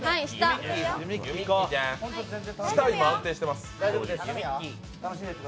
下、今安定しています。